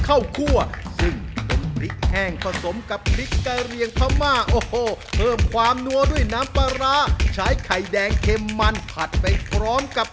อ้าซึ่งเป็นกะเพราหมูนะครับ